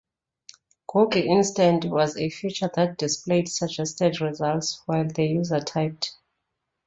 Google Instant was a feature that displayed suggested results while the user typed.